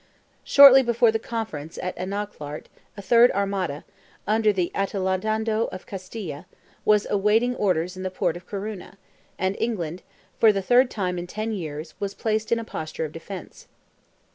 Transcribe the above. Shortly before the conference at Anaghclart, a third Armada, under the Adelantado of Castile, was awaiting orders in the port of Corunna, and England, for the third time in ten years, was placed in a posture of defence.